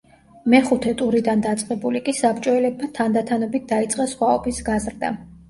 მეხუთე ტურიდან დაწყებული კი საბჭოელებმა თანდათანობით დაიწყეს სხვაობის გაზრდა.